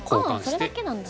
ああそれだけなんだ。